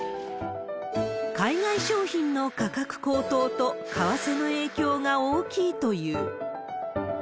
海外商品の価格高騰と、為替の影響が大きいという。